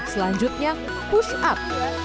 selanjutnya push up